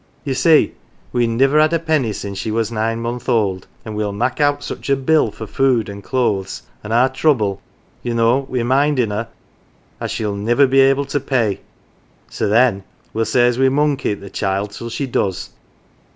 Ye see we'n niver had a penny sin" 1 she was nine month old an 1 we'll mak 1 out such a bill for food, an 1 clothes, an 1 our trouble, ye know, wi' minding her, as she'll niver be able to pay. So then we'll say as we mun keep th' child till she does."